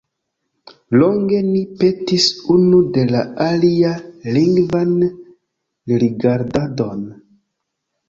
Longe ni petis unu de la alia lingvan rerigardadon.